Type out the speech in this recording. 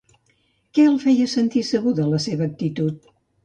Què el feia sentir segur de la seva actitud?